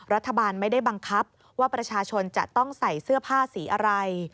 รัฐบาลไม่ได้บังคับว่าประชาชนจะต้องใส่เสื้อผ้าสีอะไร